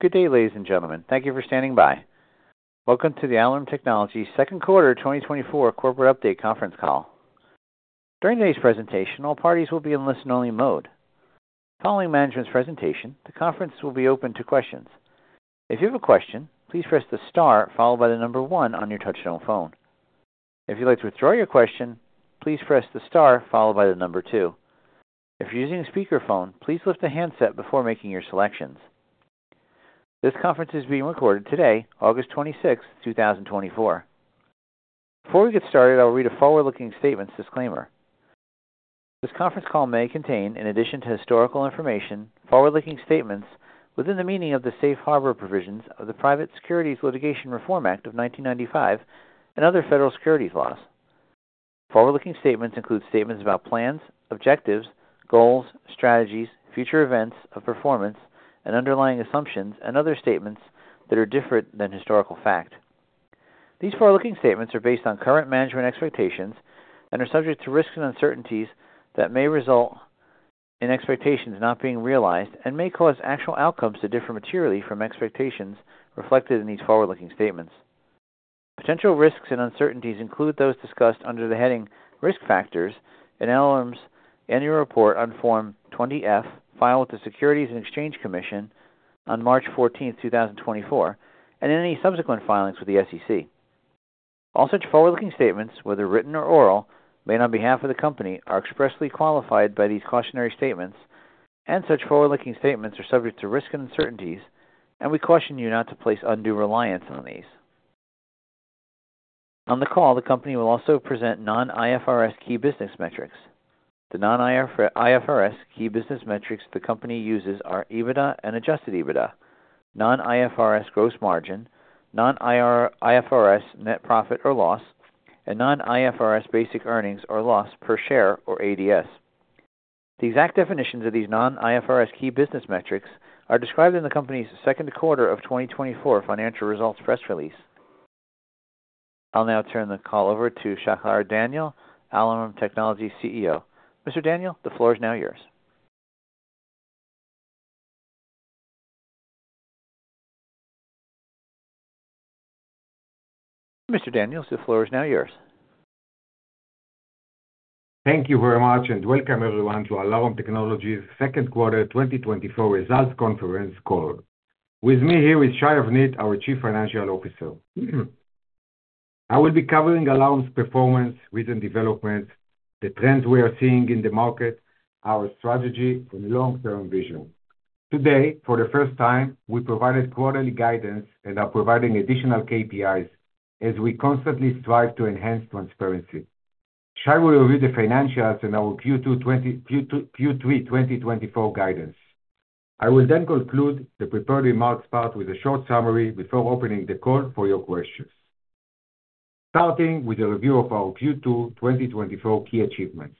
Good day, ladies and gentlemen. Thank you for standing by. Welcome to the Alarum Technologies Second Quarter 2024 Corporate Update conference call. During today's presentation, all parties will be in listen-only mode. Following management's presentation, the conference will be open to questions. If you have a question, please press the star followed by the number one on your touchtone phone. If you'd like to withdraw your question, please press the star followed by the number two. If you're using a speakerphone, please lift the handset before making your selections. This conference is being recorded today, August twenty-sixth, two thousand and twenty-four. Before we get started, I'll read a forward-looking statements disclaimer. This conference call may contain, in addition to historical information, forward-looking statements within the meaning of the Safe Harbor provisions of the Private Securities Litigation Reform Act of nineteen ninety-five and other federal securities laws. Forward-looking statements include statements about plans, objectives, goals, strategies, future events of performance and underlying assumptions, and other statements that are different than historical fact. These forward-looking statements are based on current management expectations and are subject to risks and uncertainties that may result in expectations not being realized and may cause actual outcomes to differ materially from expectations reflected in these forward-looking statements. Potential risks and uncertainties include those discussed under the heading Risk Factors in Alarum's Annual Report on Form 20-F, filed with the Securities and Exchange Commission on March fourteenth, two thousand and twenty-four, and in any subsequent filings with the SEC. All such forward-looking statements, whether written or oral, made on behalf of the Company, are expressly qualified by these cautionary statements, and such forward-looking statements are subject to risks and uncertainties, and we caution you not to place undue reliance on these. On the call, the company will also present non-IFRS key business metrics. The non-IFRS key business metrics the company uses are EBITDA and adjusted EBITDA, non-IFRS gross margin, non-IFRS net profit or loss, and non-IFRS basic earnings or loss per share or ADS. The exact definitions of these non-IFRS key business metrics are described in the company's second quarter of 2024 financial results press release. I'll now turn the call over to Shahar Daniel, Alarum Technologies CEO. Mr. Daniel, the floor is now yours. Thank you very much, and welcome everyone to Alarum Technologies' second quarter 2024 results conference call. With me here is Shai Avnit, our Chief Financial Officer. I will be covering Alarum's performance, recent development, the trends we are seeing in the market, our strategy, and long-term vision. Today, for the first time, we provided quarterly guidance and are providing additional KPIs as we constantly strive to enhance transparency. Shai will review the financials and our Q2, Q3 2024 guidance. I will then conclude the prepared remarks part with a short summary before opening the call for your questions. Starting with a review of our Q2 2024 key achievements.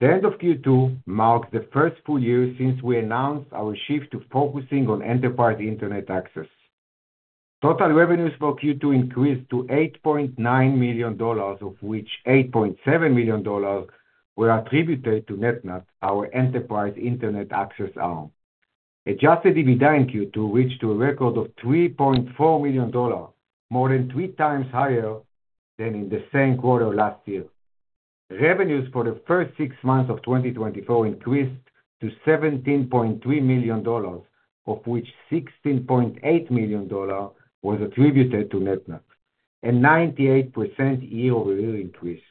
The end of Q2 marked the first full year since we announced our shift to focusing on enterprise Internet access. Total revenues for Q2 increased to $8.9 million, of which $8.7 million were attributed to NetNut, our enterprise internet access arm. Adjusted EBITDA in Q2 reached to a record of $3.4 million, more than three times higher than in the same quarter last year. Revenues for the first six months of 2024 increased to $17.3 million, of which $16.8 million was attributed to NetNut, a 98% year-over-year increase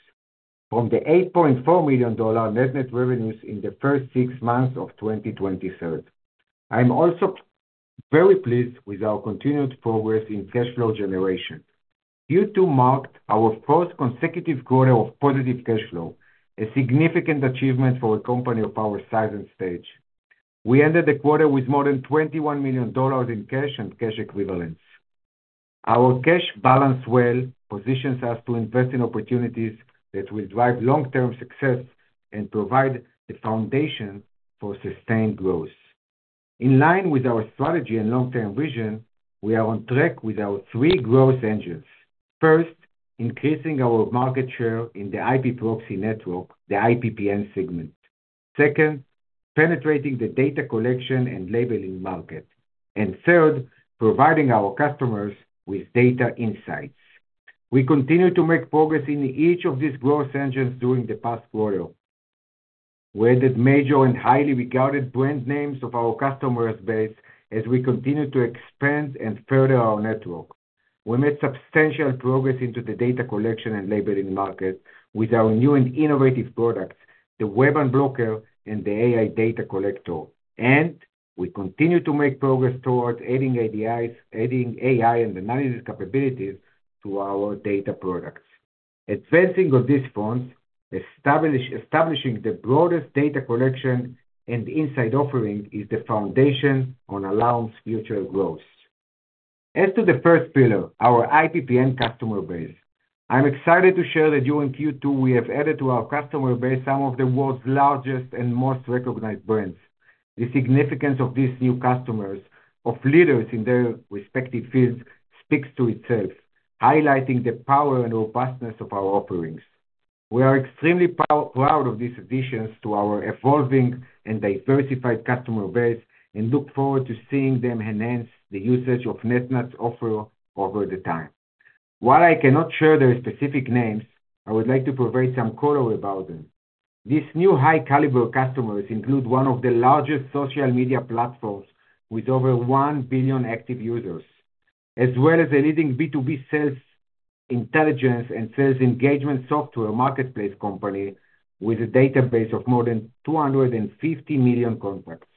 from the $8.4 million NetNut revenues in the first six months of 2023. I'm also very pleased with our continued progress in cash flow generation. Q2 marked our first consecutive quarter of positive cash flow, a significant achievement for a company of our size and stage. We ended the quarter with more than $21 million in cash and cash equivalents. Our cash balance well positions us to invest in opportunities that will drive long-term success and provide the foundation for sustained growth. In line with our strategy and long-term vision, we are on track with our three growth engines: first, increasing our market share in the IP proxy network, the IPPN segment, second, penetrating the data collection and labeling market, and third, providing our customers with data insights. We continue to make progress in each of these growth engines during the past quarter. We added major and highly regarded brand names to our customer base as we continue to expand and further our network. We made substantial progress into the data collection and labeling market with our new and innovative products, the Web Unblocker and the AI Data Collector, and we continue to make progress towards adding ADI, adding AI and analysis capabilities to our data products. Advancing on this front, establishing the broadest data collection and insight offering is the foundation of Alarum's future growth. As to the first pillar, our IPPN customer base, I'm excited to share that during Q2, we have added to our customer base some of the world's largest and most recognized brands. The significance of these new customers, of leaders in their respective fields, speaks to itself, highlighting the power and robustness of our offerings. We are extremely proud of these additions to our evolving and diversified customer base, and look forward to seeing them enhance the usage of NetNut's offer over the time. While I cannot share their specific names, I would like to provide some color about them. These new high caliber customers include one of the largest social media platforms, with over one billion active users, as well as a leading B2B sales intelligence and sales engagement software marketplace company, with a database of more than 250 million contacts.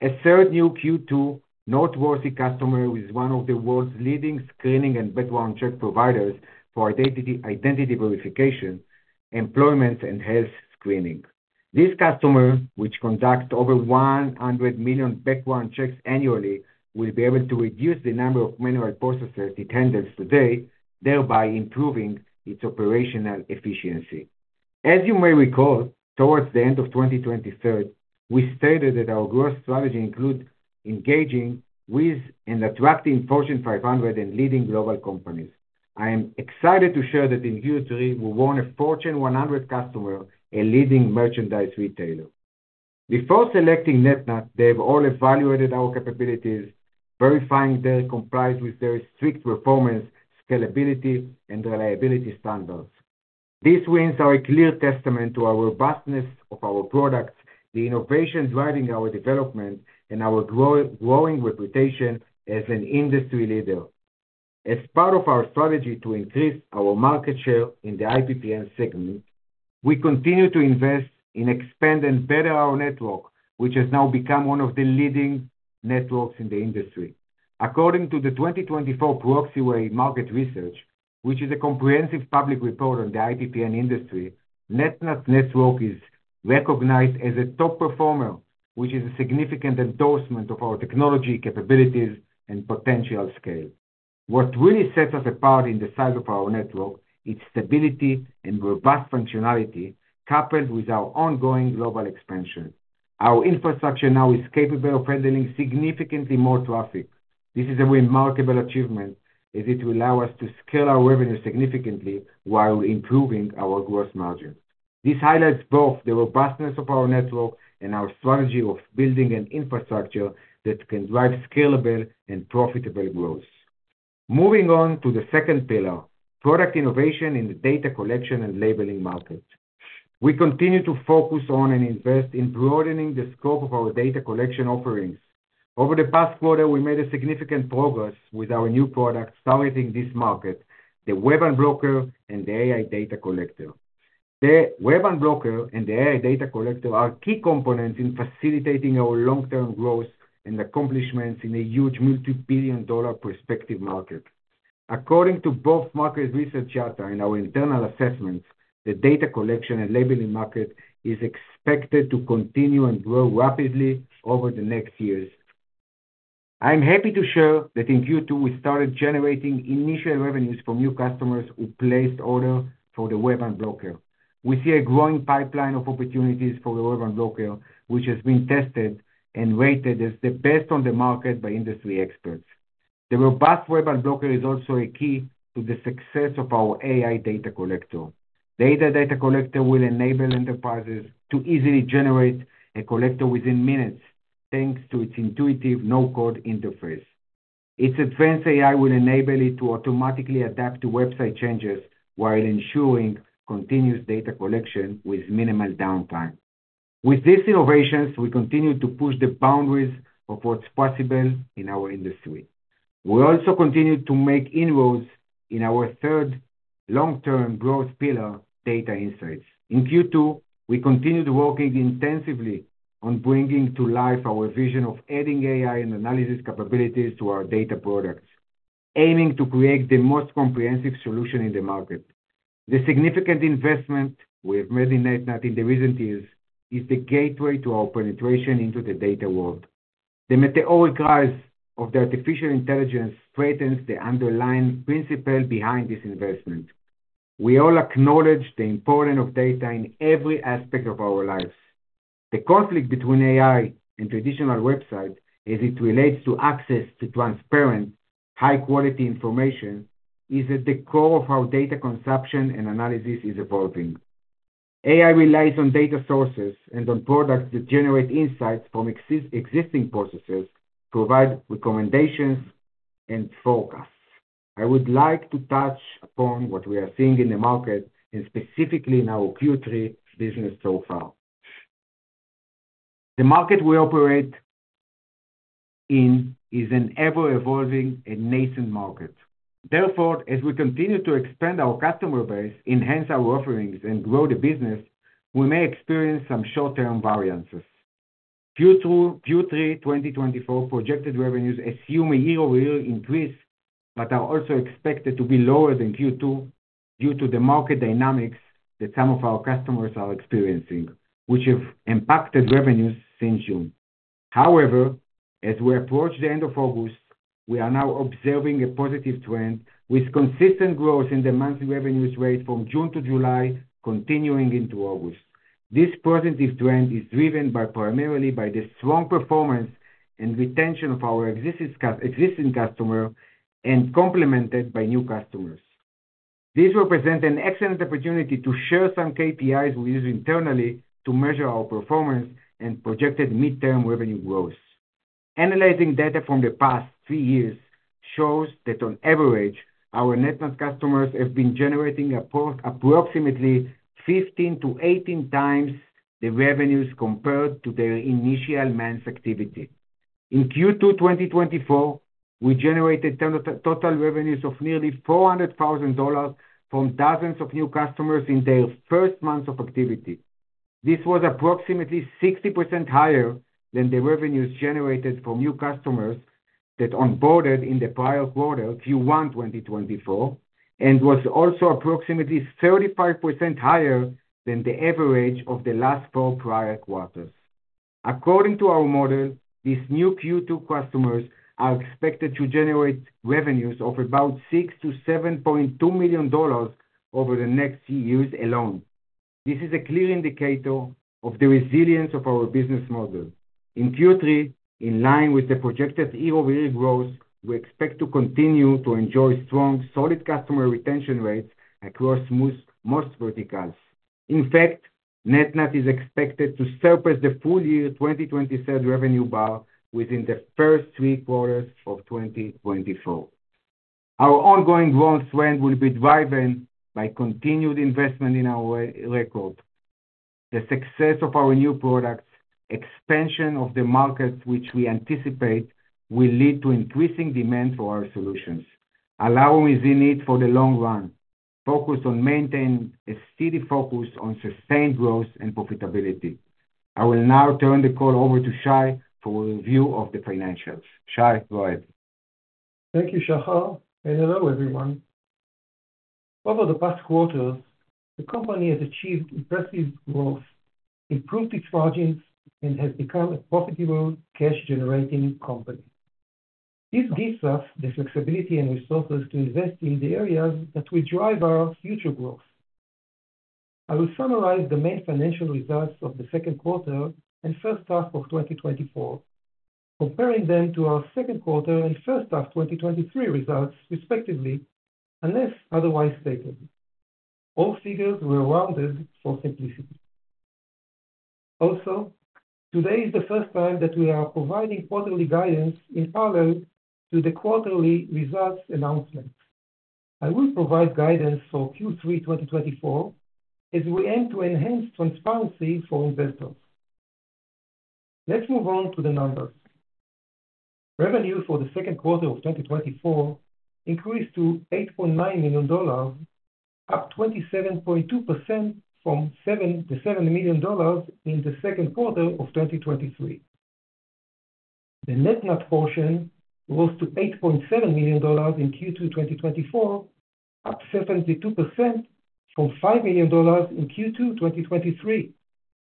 A third new Q2 noteworthy customer is one of the world's leading screening and background check providers for identity, identity verification, employment, and health screening. This customer, which conducts over 100 million background checks annually, will be able to reduce the number of manual processes it handles today, thereby improving its operational efficiency. As you may recall, towards the end of 2023, we stated that our growth strategy includes engaging with and attracting Fortune 500 and leading global companies. I am excited to share that in Q3, we won a Fortune 100 customer, a leading merchandise retailer. Before selecting NetNut, they have all evaluated our capabilities, verifying they complied with their strict performance, scalability, and reliability standards. These wins are a clear testament to our robustness of our products, the innovation driving our development, and our growing reputation as an industry leader. As part of our strategy to increase our market share in the IPPN segment, we continue to invest in expand and better our network, which has now become one of the leading networks in the industry. According to the 2024 Proxyway Market Research, which is a comprehensive public report on the IPPN industry, NetNut network is recognized as a top performer, which is a significant endorsement of our technology, capabilities, and potential scale. What really sets us apart in the size of our network, its stability and robust functionality, coupled with our ongoing global expansion. Our infrastructure now is capable of handling significantly more traffic. This is a remarkable achievement, as it will allow us to scale our revenue significantly while improving our gross margin. This highlights both the robustness of our network and our strategy of building an infrastructure that can drive scalable and profitable growth. Moving on to the second pillar, product innovation in the data collection and labeling market. We continue to focus on and invest in broadening the scope of our data collection offerings. Over the past quarter, we made a significant progress with our new product targeting this market, the Web Unblocker and the AI Data Collector. The Web Unblocker and the AI Data Collector are key components in facilitating our long-term growth and accomplishments in a huge multi-billion-dollar prospective market. According to both market research data and our internal assessments, the data collection and labeling market is expected to continue and grow rapidly over the next years. I'm happy to share that in Q2, we started generating initial revenues from new customers who placed order for the Web Unblocker. We see a growing pipeline of opportunities for the Web Unblocker, which has been tested and rated as the best on the market by industry experts. The robust Web Unblocker is also a key to the success of our AI Data Collector. AI Data Collector will enable enterprises to easily generate a collector within minutes, thanks to its intuitive no-code interface. Its advanced AI will enable it to automatically adapt to website changes while ensuring continuous data collection with minimal downtime. With these innovations, we continue to push the boundaries of what's possible in our industry. We also continued to make inroads in our third long-term growth pillar, data insights. In Q2, we continued working intensively on bringing to life our vision of adding AI and analysis capabilities to our data products, aiming to create the most comprehensive solution in the market. The significant investment we have made in NetNut in the recent years is the gateway to our penetration into the data world. The meteoric rise of the artificial intelligence strengthens the underlying principle behind this investment. We all acknowledge the importance of data in every aspect of our lives. The conflict between AI and traditional website, as it relates to access to transparent, high-quality information, is at the core of how data consumption and analysis is evolving. AI relies on data sources and on products that generate insights from existing processes, provide recommendations and forecasts. I would like to touch upon what we are seeing in the market and specifically in our Q3 business so far. The market we operate in is an ever-evolving and nascent market. Therefore, as we continue to expand our customer base, enhance our offerings, and grow the business, we may experience some short-term variances. Q2, Q3 2024 projected revenues assume a year-over-year increase, but are also expected to be lower than Q2, due to the market dynamics that some of our customers are experiencing, which have impacted revenues since June. However, as we approach the end of August, we are now observing a positive trend, with consistent growth in the monthly revenues rate from June to July, continuing into August. This positive trend is driven primarily by the strong performance and retention of our existing customer and complemented by new customers. This represents an excellent opportunity to share some KPIs we use internally to measure our performance and projected midterm revenue growth. Analyzing data from the past three years shows that on average, our NetNut customers have been generating approximately 15-18 times the revenues compared to their initial months activity. In Q2 2024, we generated total revenues of nearly $400,000 from dozens of new customers in their first month of activity. This was approximately 60% higher than the revenues generated from new customers that onboarded in the prior quarter, Q1 2024, and was also approximately 35% higher than the average of the last four prior quarters. According to our model, these new Q2 customers are expected to generate revenues of about $6-7.2 million over the next few years alone. This is a clear indicator of the resilience of our business model. In Q3, in line with the projected year-over-year growth, we expect to continue to enjoy strong, solid customer retention rates across most verticals. In fact, NetNut is expected to surpass the full year 2023 revenue bar within the first three quarters of 2024. Our ongoing growth trend will be driven by continued investment in our record, the success of our new products, expansion of the markets, which we anticipate will lead to increasing demand for our solutions, allowing us in it for the long run, focused on maintaining a steady focus on sustained growth and profitability. I will now turn the call over to Shai for a review of the financials. Shai, go ahead. Thank you, Shahar, and hello, everyone. Over the past quarters, the company has achieved impressive growth, improved its margins, and has become a profitable cash-generating company. This gives us the flexibility and resources to invest in the areas that will drive our future growth. I will summarize the main financial results of the second quarter and first half of 2024, comparing them to our second quarter and first half 2023 results, respectively, unless otherwise stated. All figures were rounded for simplicity. Also, today is the first time that we are providing quarterly guidance in parallel to the quarterly results announcement. I will provide guidance for Q3 2024, as we aim to enhance transparency for investors. Let's move on to the numbers. Revenue for the second quarter of 2024 increased to $8.9 million, up 27.2% from the $7 million in the second quarter of 2023. The NetNut portion rose to $8.7 million in Q2 2024, up 72% from $5 million in Q2 2023,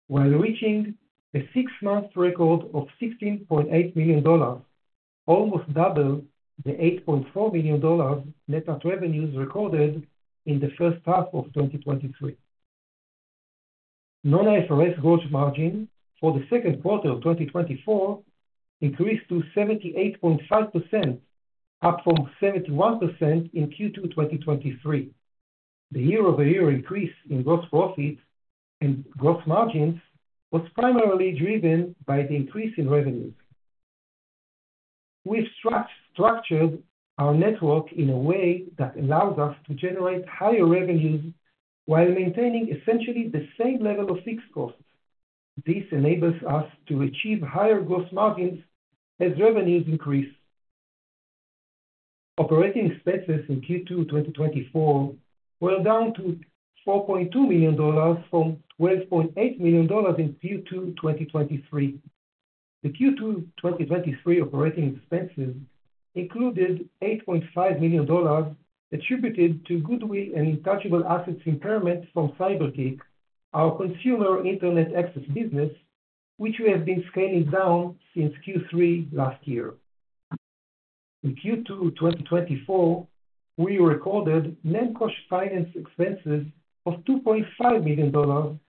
while reaching a six-month record of $16.8 million, almost double the $8.4 million NetNut revenues recorded in the first half of 2023. Non-IFRS gross margin for the second quarter of 2024 increased to 78.5%, up from 71% in Q2 2023. The year-over-year increase in gross profit and gross margins was primarily driven by the increase in revenues. We've structured our network in a way that allows us to generate higher revenues while maintaining essentially the same level of fixed costs. This enables us to achieve higher gross margins as revenues increase. Operating expenses in Q2 2024 were down to $4.2 million from $12.8 million in Q2 2023. The Q2 2023 operating expenses included $8.5 million attributed to goodwill and intangible assets impairment from CyberKick, our consumer internet access business, which we have been scaling down since Q3 last year. In Q2 2024, we recorded non-cash finance expenses of $2.5 million,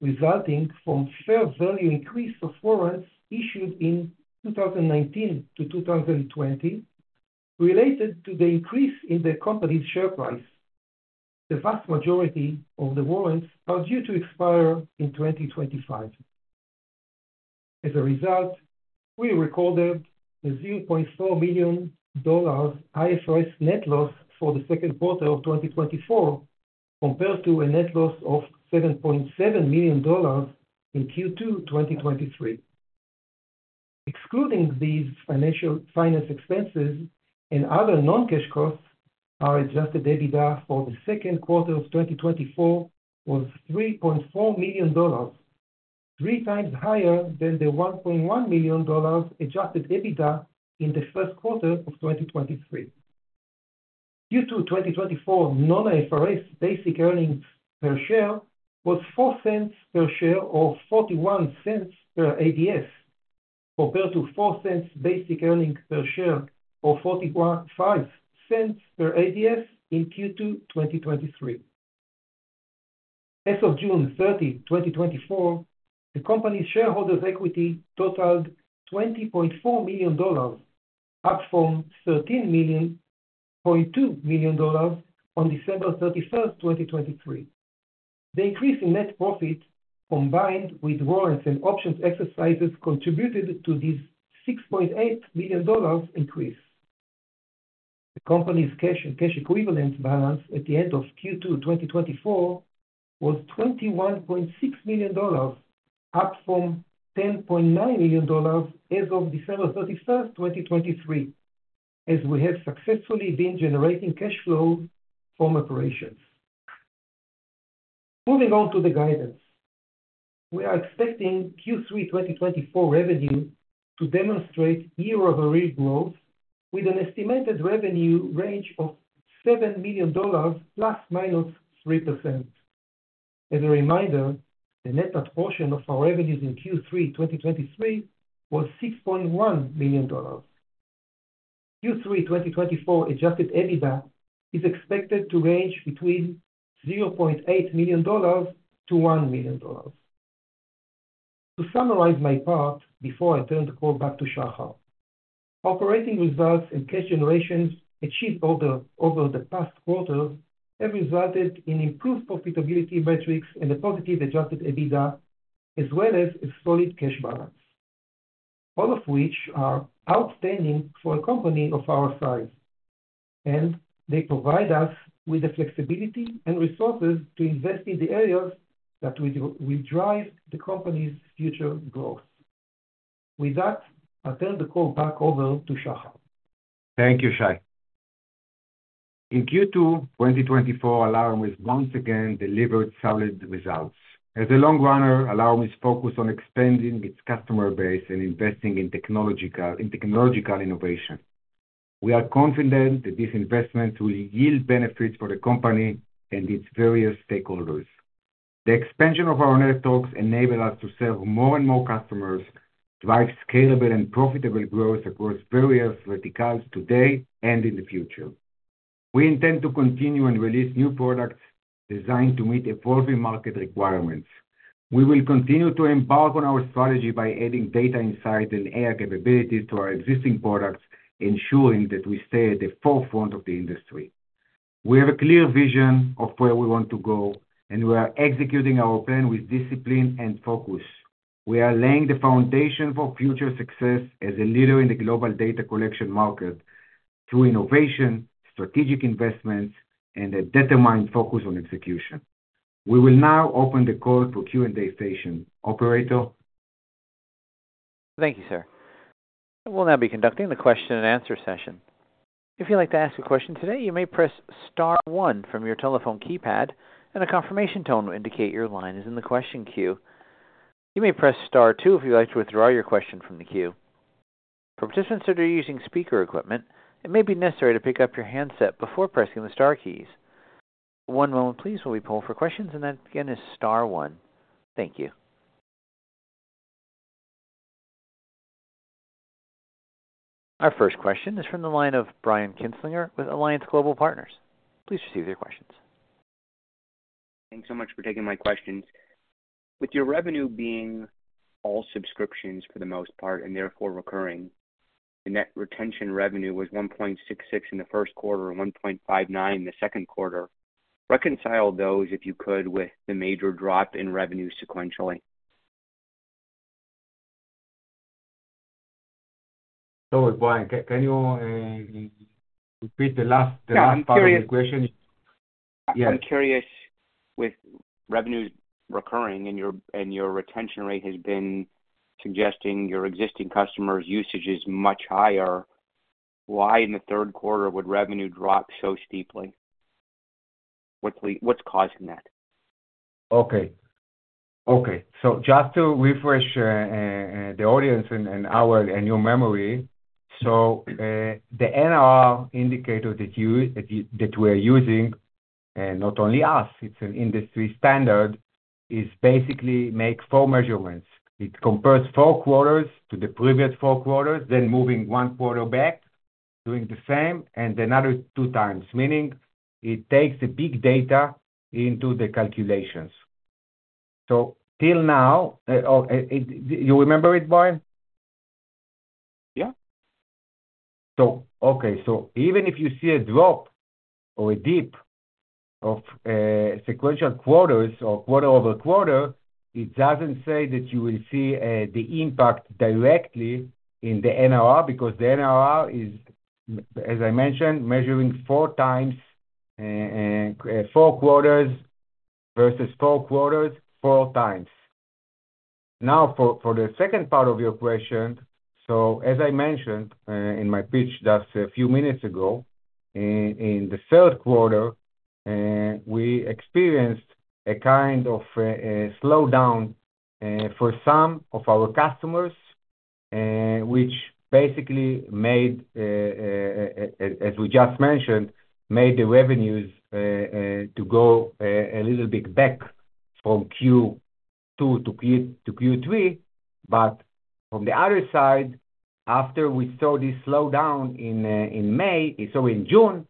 resulting from fair value increase of warrants issued in 2019 to 2020, related to the increase in the company's share price. The vast majority of the warrants are due to expire in 2025. As a result, we recorded a $0.4 million IFRS net loss for the second quarter of 2024, compared to a net loss of $7.7 million in Q2 2023. Excluding these finance expenses and other non-cash costs, our adjusted EBITDA for the second quarter of 2024 was $3.4 million, three times higher than the $1.1 million adjusted EBITDA in the first quarter of 2023. Q2 2024 non-IFRS basic earnings per share was 4 cents per share, or 41 cents per ADS, compared to 4 cents basic earnings per share, or 41.5 cents per ADS in Q2 2023. As of June 30, 2024, the company's shareholders' equity totaled $20.4 million, up from $13.2 million on December 31, 2023. The increase in net profit, combined with warrants and options exercises, contributed to this $6.8 million increase. The company's cash and cash equivalents balance at the end of Q2 2024 was $21.6 million, up from $10.9 million as of December 31, 2023, as we have successfully been generating cash flow from operations. Moving on to the guidance. We are expecting Q3 2024 revenue to demonstrate year-over-year growth with an estimated revenue range of $7 million plus/minus 3%. As a reminder, the NetNut portion of our revenues in Q3 2023 was $6.1 million. Q3 2024 Adjusted EBITDA is expected to range between $0.8 million to $1 million. To summarize my part before I turn the call back to Shahar, operating results and cash generations achieved over the past quarter have resulted in improved profitability metrics and a positive Adjusted EBITDA, as well as a solid cash balance, all of which are outstanding for a company of our size. And they provide us with the flexibility and resources to invest in the areas that will drive the company's future growth. With that, I'll turn the call back over to Shahar. Thank you, Shai. In Q2 2024, Alarum once again delivered solid results. As a long runner, Alarum is focused on expanding its customer base and investing in technological innovation. We are confident that this investment will yield benefits for the company and its various stakeholders. The expansion of our networks enable us to serve more and more customers, drive scalable and profitable growth across various verticals today and in the future. We intend to continue and release new products designed to meet evolving market requirements. We will continue to embark on our strategy by adding data insight and AI capabilities to our existing products, ensuring that we stay at the forefront of the industry. We have a clear vision of where we want to go, and we are executing our plan with discipline and focus. We are laying the foundation for future success as a leader in the global data collection market through innovation, strategic investments, and a determined focus on execution. We will now open the call for Q&A session. Operator? Thank you, sir. We'll now be conducting the question and answer session. If you'd like to ask a question today, you may press star one from your telephone keypad, and a confirmation tone will indicate your line is in the question queue. You may press star two if you'd like to withdraw your question from the queue. For participants that are using speaker equipment, it may be necessary to pick up your handset before pressing the star keys. One moment please, while we poll for questions, and that, again, is star one. Thank you. Our first question is from the line of Brian Kinstlinger with Alliance Global Partners. Please proceed with your questions. Thanks so much for taking my questions. With your revenue being all subscriptions for the most part, and therefore recurring, the net retention revenue was one point six six in the first quarter and one point five nine the second quarter. Reconcile those, if you could, with the major drop in revenue sequentially. So, Brian, can you repeat the last part of the question? I'm curious Yes. I'm curious, with revenues recurring and your retention rate has been suggesting your existing customers' usage is much higher, why in the third quarter would revenue drop so steeply? What's causing that? Okay, okay. Just to refresh the audience and our and your memory. The NRR indicator that we're using, not only us, it's an industry standard, is basically make four measurements. It compares four quarters to the previous four quarters, then moving one quarter back, doing the same, and another two times. Meaning, it takes the big data into the calculations. So till now, it. Do you remember it, Brian? Yeah. So okay, so even if you see a drop or a dip of sequential quarters or quarter over quarter, it doesn't say that you will see the impact directly in the NRR, because the NRR is, as I mentioned, measuring four times four quarters versus four quarters, four times. Now, for the second part of your question, so as I mentioned in my pitch just a few minutes ago, in the third quarter we experienced a kind of a slowdown for some of our customers, which basically made, as we just mentioned, the revenues to go a little bit back from Q2 to Q3. But from the other side, after we saw this slowdown in May, so in June,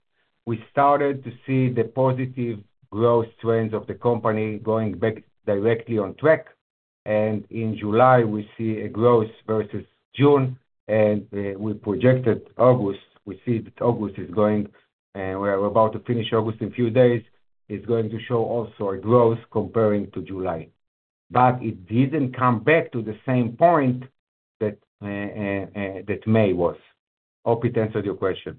we started to see the positive growth trends of the company going back directly on track. And in July, we see a growth versus June, and we projected August, we see that August is going, and we're about to finish August in a few days, it's going to show also a growth comparing to July. But it didn't come back to the same point that May was. Hope it answered your question.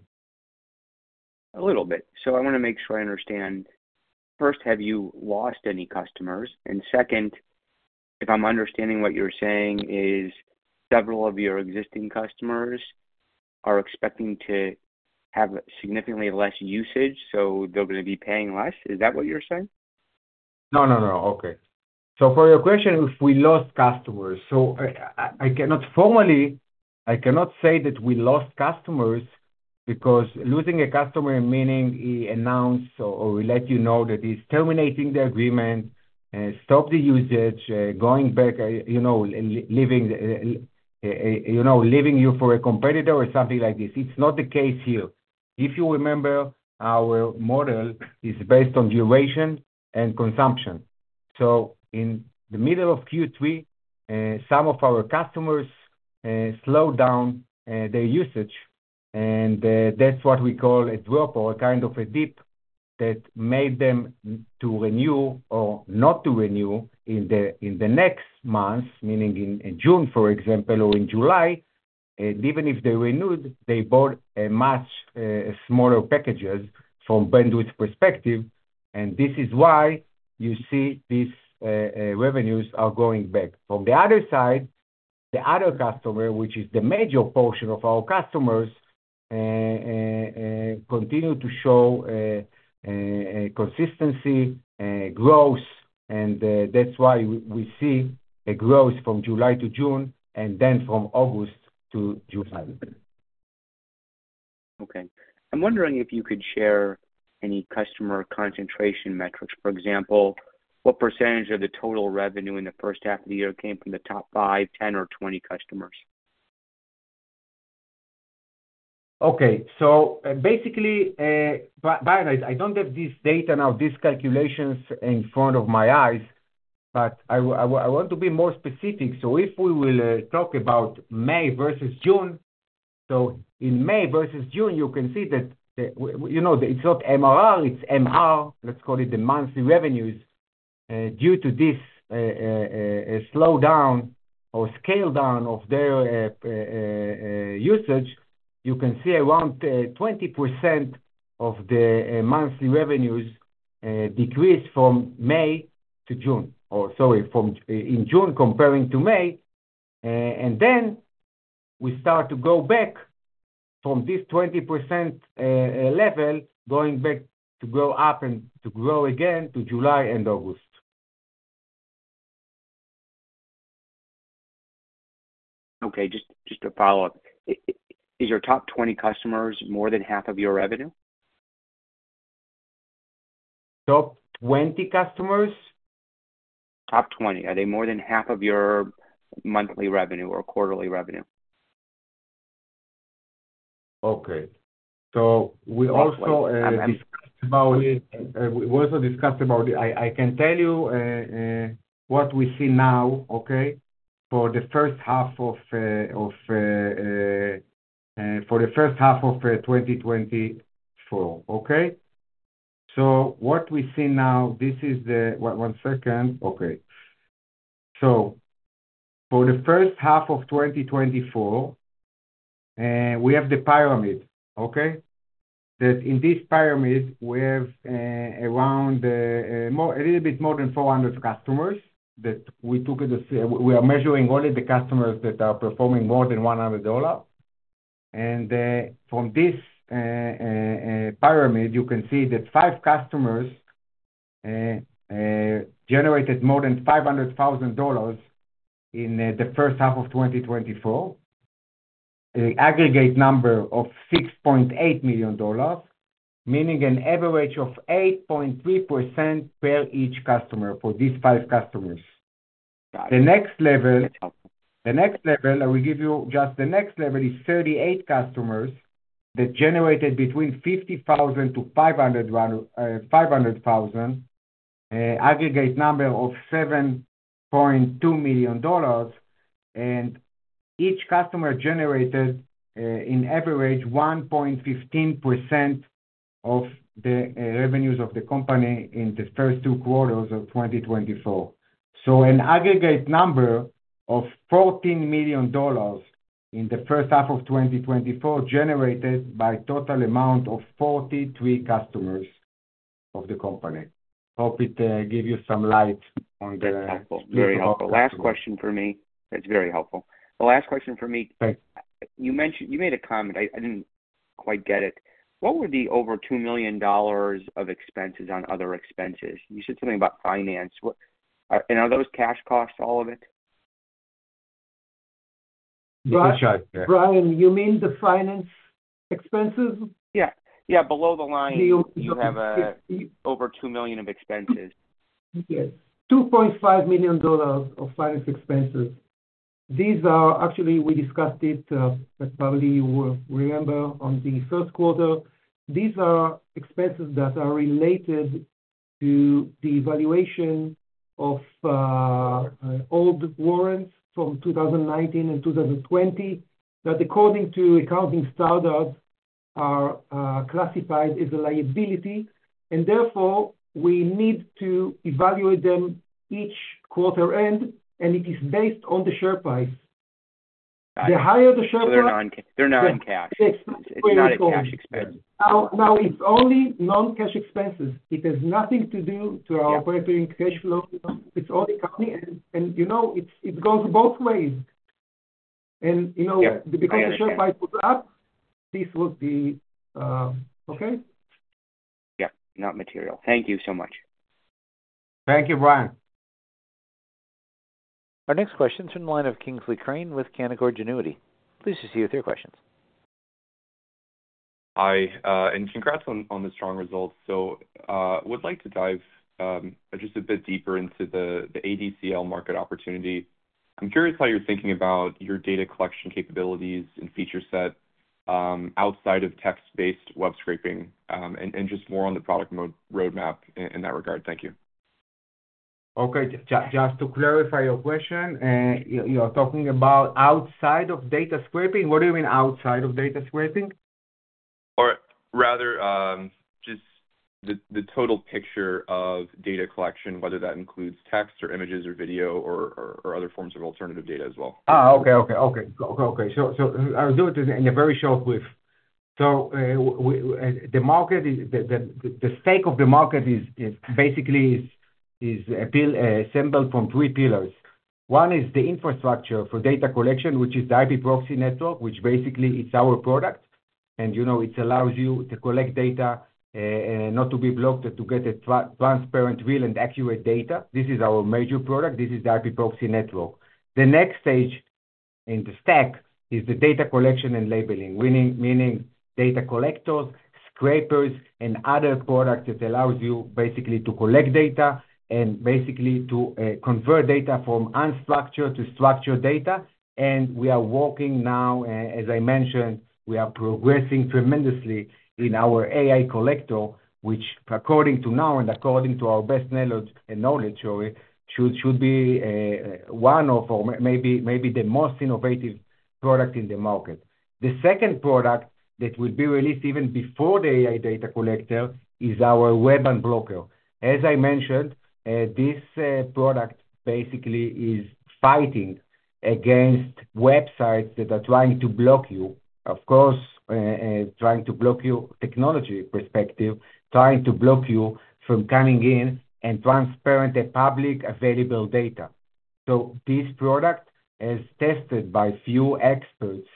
A little bit. So I wanna make sure I understand. First, have you lost any customers? And second, if I'm understanding what you're saying, is several of your existing customers are expecting to have significantly less usage, so they're gonna be paying less. Is that what you're saying? No, no, no. Okay, so for your question, if we lost customers, so I, I cannot formally, I cannot say that we lost customers because losing a customer, meaning he announced or let you know that he's terminating the agreement, stop the usage, going back, you know, leaving you for a competitor or something like this. It's not the case here. If you remember, our model is based on duration and consumption, so in the middle of Q3, some of our customers slowed down their usage, and that's what we call a drop or a kind of a dip that made them not to renew or not to renew in the next months, meaning in June, for example, or in July. Even if they renewed, they bought a much smaller packages from bandwidth perspective, and this is why you see these revenues are going back. From the other side, the other customer, which is the major portion of our customers, continue to show consistent growth, and that's why we see a growth from July to June and then from August to July. Okay. I'm wondering if you could share any customer concentration metrics. For example, what percentage of the total revenue in the first half of the year came from the top five, 10 or 20 customers? Okay. So basically, Brian, I don't have this data now, these calculations in front of my eyes, but I want to be more specific. So if we will talk about May versus June, so in May versus June, you can see that, you know, it's not MRR, it's MR, let's call it the monthly revenues. Due to this slowdown or scale down of their usage, you can see around 20% of the monthly revenues decreased from May to June, or sorry, from in June comparing to May. And then we start to go back from this 20% level, going back to grow up and to grow again to July and August. Okay, just to follow up. Is your top twenty customers more than half of your revenue? Top twenty customers? Top twenty. Are they more than half of your monthly revenue or quarterly revenue? Okay. So we also. Discussed about it. We also discussed about it. I can tell you what we see now, okay? For the first half of 2024, okay? So what we see now, this is the... One second. Okay. So for the first half of 2024, we have the pyramid, okay? That in this pyramid, we have around a little bit more than 400 customers that we took it as, we are measuring only the customers that are performing more than $100. And from this pyramid, you can see that five customers generated more than $500,000 in the first half of 2024. The aggregate number of $6.8 million, meaning an average of 8.3% per each customer for these five customers. Got it. The next level, I will give you just the next level is 38 customers that generated between $50,000-$500,000 aggregate number of $7.2 million, and each customer generated in average 1.15% of the revenues of the company in the first two quarters of 2024. So an aggregate number of $14 million in the first half of 2024, generated by total amount of 43 customers of the company. Hope it give you some light on the- That's helpful. Very helpful. The last question for me. Thanks. You mentioned, you made a comment, I didn't quite get it. What were the over $2 million of expenses on other expenses? You said something about finance. What and are those cash costs, all of it? Brian, you mean the finance expenses? Yeah, yeah. Below the line, you have over two million of expenses. Yes, $2.5 million of finance expenses. These are actually, we discussed it, as probably you will remember on the first quarter, these are expenses that are related to the evaluation of, old warrants from 2019 and 2020, that according to accounting standards, are, classified as a liability, and therefore, we need to evaluate them each quarter end, and it is based on the share price. The higher the share price- So they're non-cash. Yes. It's not a cash expense. Now, it's only non-cash expenses. It has nothing to do to our operating cash flow. It's only company and, you know, it goes both ways. And, you know- Yeah, I understand. Because the share price goes up, this would be okay? Yeah, not material. Thank you so much. Thank you, Brian. Our next question is from the line of Kingsley Crane with Canaccord Genuity. Please proceed with your questions. Hi, and congrats on the strong results. So, would like to dive just a bit deeper into the ADCL market opportunity. I'm curious how you're thinking about your data collection capabilities and feature set, outside of text-based web scraping, and just more on the product roadmap in that regard. Thank you. Okay. Just to clarify your question, you, you're talking about outside of data scraping? What do you mean outside of data scraping? Or rather, just the total picture of data collection, whether that includes text or images or video or other forms of alternative data as well. Okay. I'll do it in a very short brief. The market is the stack of the market, which is basically assembled from three pillars. One is the infrastructure for data collection, which is the IP proxy network, which basically is our product. And, you know, it allows you to collect data, not to be blocked, to get transparent, real, and accurate data. This is our major product. This is the IP proxy network. The next stage in the stack is the data collection and labeling, meaning data collectors, scrapers, and other products that allows you basically to collect data and basically to convert data from unstructured to structured data. We are working now, as I mentioned. We are progressing tremendously in our AI collector, which according to now and according to our best knowledge of it, should be one of our maybe the most innovative product in the market. The second product that will be released even before the AI data collector is our Web Unblocker. As I mentioned, this product basically is fighting against websites that are trying to block you. Of course, trying to block you from a technology perspective, trying to block you from coming in and transparently accessing the publicly available data. So this product is tested by a few experts.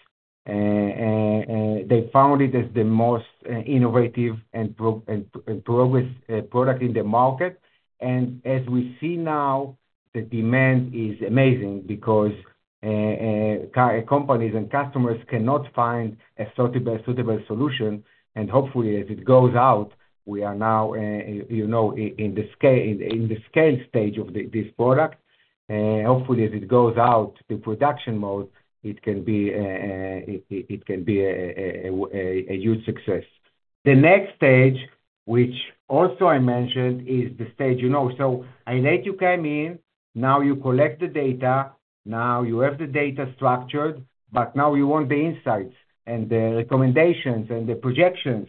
They found it as the most innovative and progressive product in the market. As we see now, the demand is amazing because companies and customers cannot find a suitable solution, and hopefully, as it goes out, we are now, you know, in the scale stage of this product. Hopefully, as it goes out to production mode, it can be a huge success. The next stage, which also I mentioned, is the stage, you know, so I let you come in, now you collect the data, now you have the data structured, but now you want the insights and the recommendations and the projections.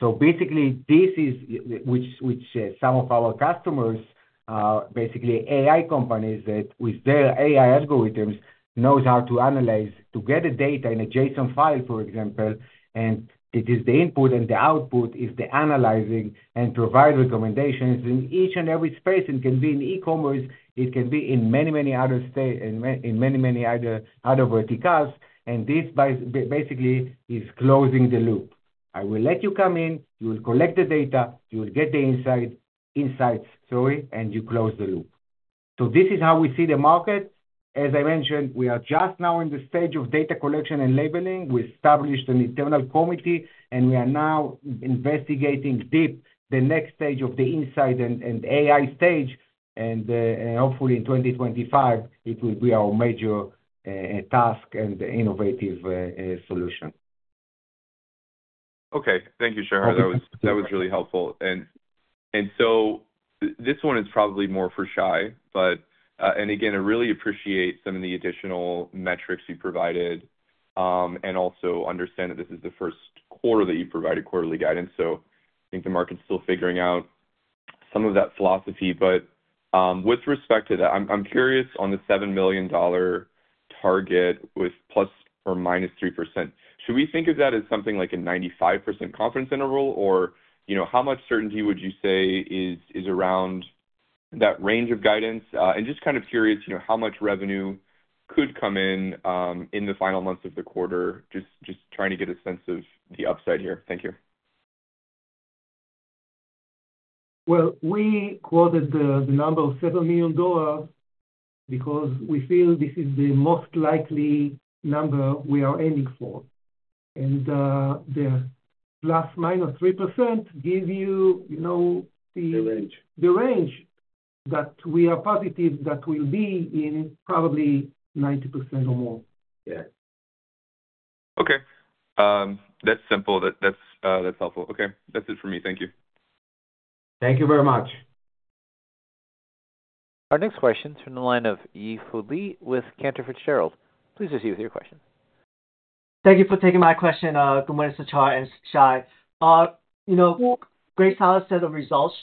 So basically, this is some of our customers, basically AI companies, that with their AI algorithms, knows how to analyze, to get a data in a JSON file, for example, and it is the input, and the output is the analyzing and provide recommendations in each and every space. It can be in e-commerce, it can be in many other verticals, and this basically is closing the loop. I will let you come in, you will collect the data, you will get the insight, insights, sorry, and you close the loop. So this is how we see the market. As I mentioned, we are just now in the stage of data collection and labeling. We established an internal committee, and we are now investigating deep the next stage of the insight and AI stage, and hopefully in 2025, it will be our major task and innovative solution. Okay. Thank you, Shahar. That was really helpful. And so this one is probably more for Shai, but. And again, I really appreciate some of the additional metrics you provided, and also understand that this is the first quarter that you provided quarterly guidance. So I think the market's still figuring out some of that philosophy. But, with respect to that, I'm curious on the $7 million target with plus or minus 3%. Should we think of that as something like a 95% confidence interval? Or, you know, how much certainty would you say is around that range of guidance? And just kind of curious, you know, how much revenue could come in in the final months of the quarter, just trying to get a sense of the upside here. Thank you. we quoted the number of $7 million, because we feel this is the most likely number we are aiming for, and the plus minus 3% give you, you know, the- The range. The range that we are positive that will be in, probably 90% or more. Yeah. Okay. That's simple. That's helpful. Okay, that's it for me. Thank you. Thank you very much. Our next question is from the line of Yi Fu Lee with Cantor Fitzgerald. Please proceed with your question. Thank you for taking my question. Good morning, Shahar and Shai. You know, great set of results.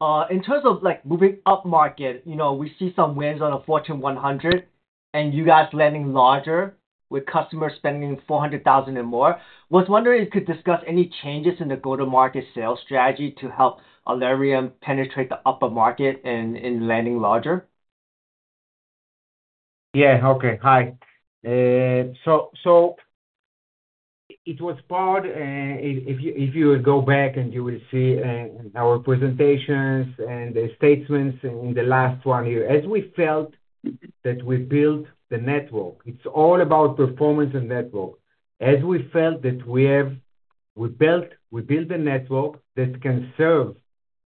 In terms of, like, moving upmarket, you know, we see some wins on a Fortune 100, and you guys landing larger with customers spending $400,000 and more. Was wondering if you could discuss any changes in the go-to-market sales strategy to help Alarum penetrate the upper market in landing larger? Yeah. Okay. Hi. So, it was part if you go back and you will see our presentations and the statements in the last one year, as we felt that we built the network. It's all about performance and network. As we felt that we built the network that can serve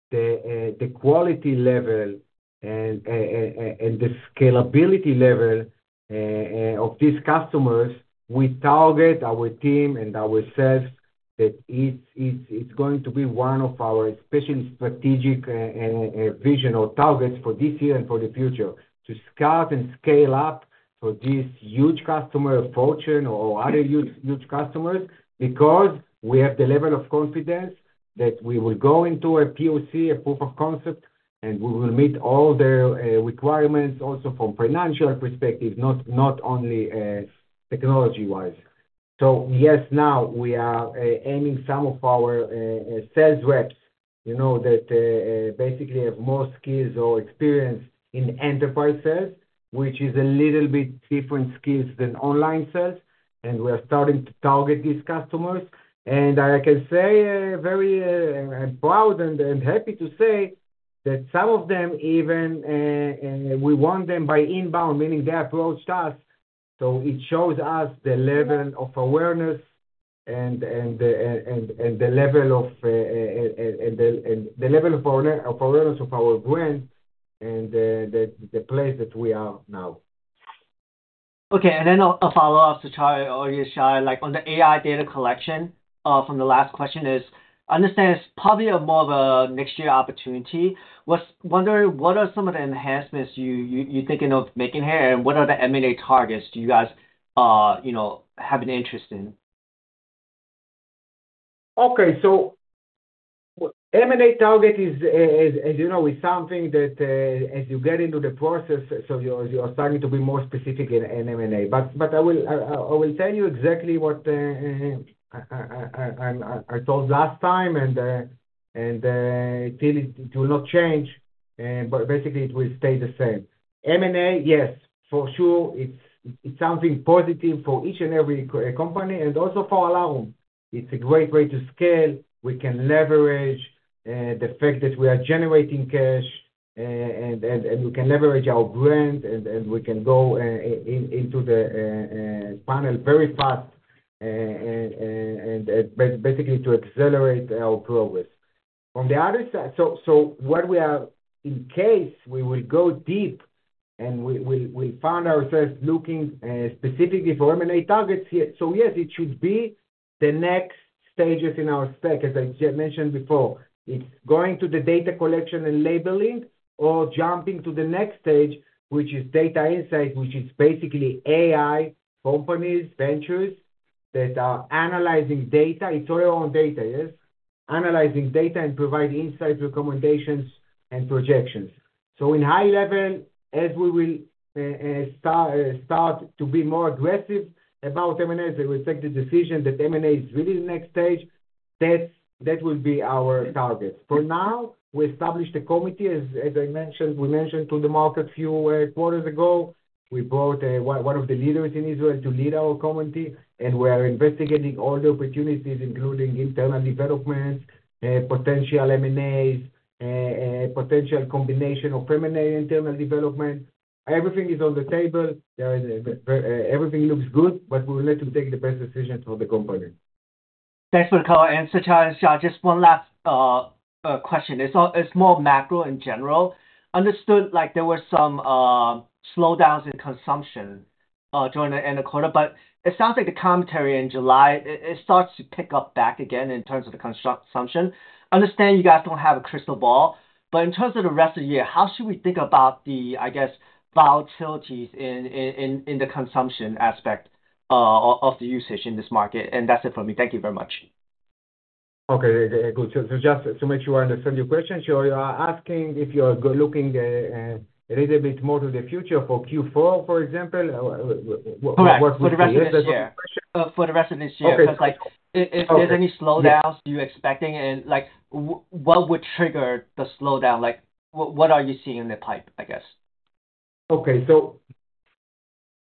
the quality level and the scalability level of these customers. We target our team and our sales that it's going to be one of our especially strategic vision or targets for this year and for the future, to scale up for this huge customer Fortune or other huge customers, because we have the level of confidence that we will go into a POC, a proof of concept, and we will meet all the requirements also from financial perspective, not only technology-wise. So yes, now we are aiming some of our sales reps, you know, that basically have more skills or experience in enterprise sales, which is a little bit different skills than online sales, and we are starting to target these customers. And I can say very proud and happy to say that some of them even we won them by inbound, meaning they approached us. So it shows us the level of awareness and the level of awareness of our brand and the place that we are now. Okay. And then a follow-up to Shahar or Shai, like on the AI data collection, from the last question is, understand it's probably a more of a next year opportunity. Was wondering, what are some of the enhancements you're thinking of making here, and what are the M&A targets do you guys, you know, have an interest in? Okay. So M&A target is, as you know, something that, as you get into the process, you are starting to be more specific in M&A. But I will tell you exactly what I told last time, and it will not change, but basically it will stay the same. M&A, yes, for sure, it's something positive for each and every company, and also for Alarum. It's a great way to scale. We can leverage the fact that we are generating cash, and we can leverage our brand, and we can go into the panel very fast, and basically to accelerate our progress. On the other side... So what we are, in case we will go deep and we found ourselves looking, specifically for M&A targets here, so yes, it should be the next stages in our stack, as I mentioned before. It's going to the data collection and labeling or jumping to the next stage, which is data insight, which is basically AI companies, ventures, that are analyzing data. It's all your own data, yes. Analyzing data and provide insights, recommendations, and projections. So in high level, as we will start to be more aggressive about M&A, we take the decision that M&A is really the next stage. That will be our target. For now, we established a committee, as I mentioned, we mentioned to the market a few quarters ago. We brought one of the leaders in Israel to lead our committee, and we are investigating all the opportunities, including internal developments, potential M&As, potential combination of M&A internal development. Everything is on the table. Everything looks good, but we will let you take the best decisions for the company. Thanks for the call, and Shahar and Shai, just one last question. It's more macro in general. Understood, like there were some slowdowns in consumption during the end of quarter, but it sounds like the commentary in July, it starts to pick up back again in terms of the construct assumption. Understand you guys don't have a crystal ball, but in terms of the rest of the year, how should we think about the, I guess, volatilities in the consumption aspect of the usage in this market? And that's it for me. Thank you very much. Okay, good. So just to make sure I understand your question, you are asking if you are looking a little bit more to the future for Q4, for example? Correct. For the rest of this year. Is that the question? For the rest of this year. Okay. 'Cause like, if there's any slowdowns you're expecting and like, what would trigger the slowdown? Like, what are you seeing in the pipe, I guess? Okay,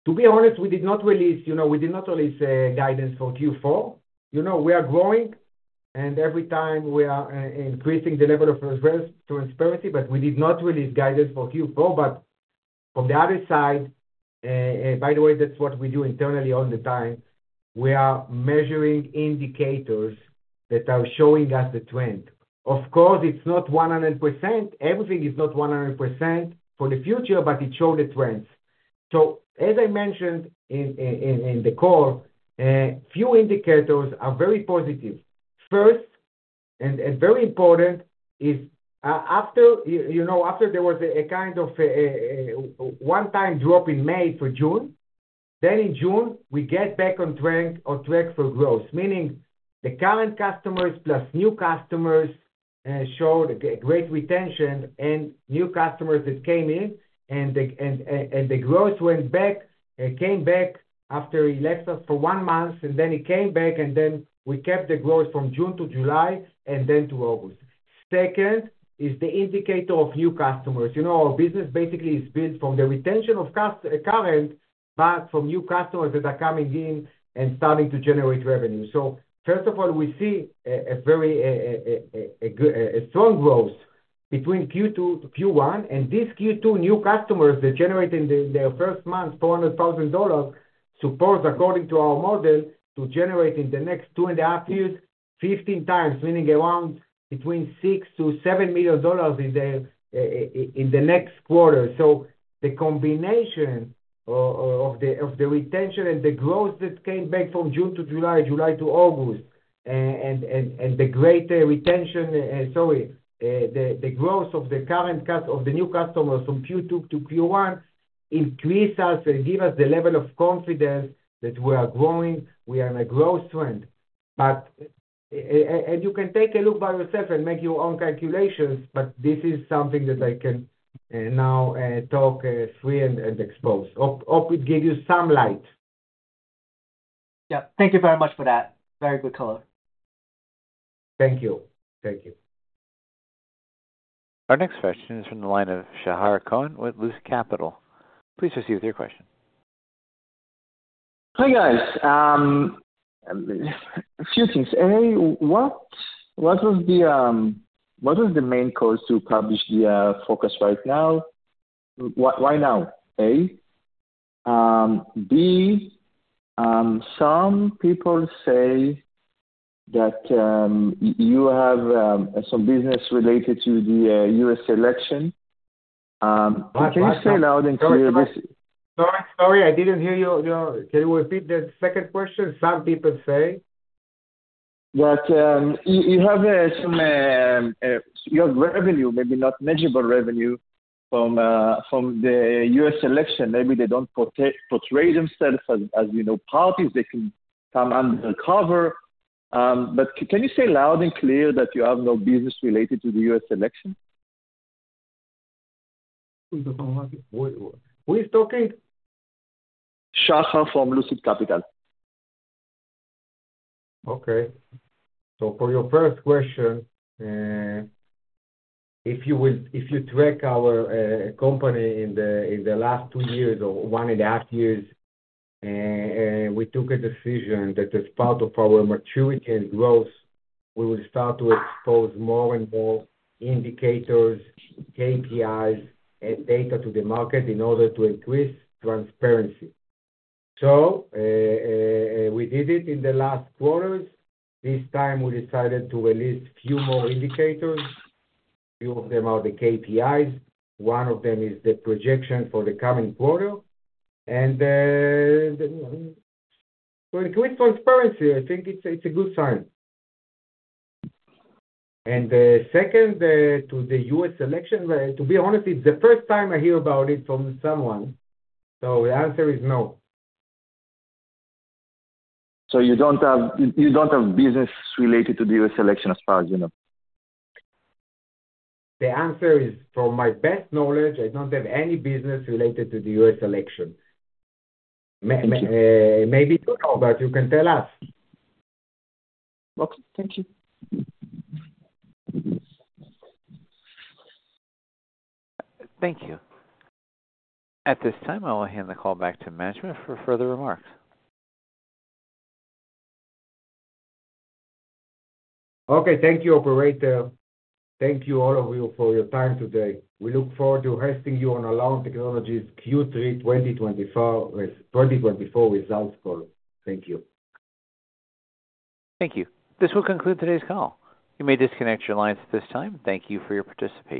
to be honest, we did not release, you know, we did not release a guidance for Q4. You know, we are growing, and every time we are increasing the level of transparency, but we did not release guidance for Q4. But from the other side, and by the way, that's what we do internally all the time, we are measuring indicators that are showing us the trend. Of course, it's not 100%. Everything is not 100% for the future, but it show the trends. So as I mentioned in the call, few indicators are very positive. First, and very important, is after you know, after there was a kind of a one-time drop in May to June, then in June, we get back on trend, on track for growth. Meaning the current customers plus new customers showed great retention and new customers that came in, and the growth went back, came back after he left us for one month, and then he came back, and then we kept the growth from June to July and then to August. Second, is the indicator of new customers. You know, our business basically is built from the retention of current, but from new customers that are coming in and starting to generate revenue. So first of all, we see a very good strong growth between Q2 to Q1, and this Q2 new customers, they're generating their first month $400,000 support according to our model to generate in the next two and a half years 15 times, meaning around between $6-$7 million in the next quarter. So the combination of the retention and the growth that came back from June to July, July to August, and the greater retention, the growth of the current customers of the new customers from Q2 to Q1 increase us and give us the level of confidence that we are growing, we are in a growth trend. You can take a look by yourself and make your own calculations, but this is something that I can now talk free and expose. Hope it give you some light. Yeah, thank you very much for that. Very good color. Thank you. Thank you. Our next question is from the line of Shahar Cohen with Lucid Capital. Please proceed with your question. Hi, guys. A few things. A, what was the main cause to publish the focus right now? Why now, A? B, some people say that you have some business related to the U.S. election. Can you say loud and clear this- Sorry, sorry, I didn't hear you, you know. Can you repeat the second question? Some people say... That you have some revenue, maybe not measurable revenue, from the U.S. election. Maybe they don't portray themselves as, you know, parties. They can come under the cover, but can you say loud and clear that you have no business related to the U.S. election? Who is talking? Shahar from Lucid Capital. Okay. So for your first question, if you will, if you track our company in the last two years or one and a half years, we took a decision that as part of our maturity and growth, we will start to expose more and more indicators, KPIs and data to the market in order to increase transparency. So, we did it in the last quarters. This time we decided to release few more indicators. Few of them are the KPIs, one of them is the projection for the coming quarter, and to increase transparency, I think it's a good sign. Second, to the U.S. election, well, to be honest, it's the first time I hear about it from someone, so the answer is no. So you don't have business related to the U.S. election, as far as you know? The answer is, from my best knowledge, I don't have any business related to the U.S. election. Thank you. Maybe you know, but you can tell us. Okay, thank you. Thank you. At this time, I will hand the call back to management for further remarks. Okay. Thank you, operator. Thank you, all of you, for your time today. We look forward to hosting you on Alarum Technologies' Q3 2024 results call. Thank you. Thank you. This will conclude today's call. You may disconnect your lines at this time. Thank you for your participation.